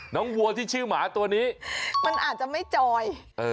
วัวที่ชื่อหมาตัวนี้มันอาจจะไม่จอย